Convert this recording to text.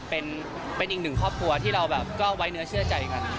เป็นอีกหนึ่งครอบครัวที่เราแบบก็ไว้เนื้อเชื่อใจกัน